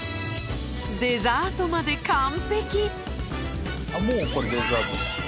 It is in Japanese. デザートまで完璧！